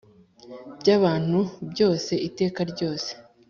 By abantu byose iteka ryose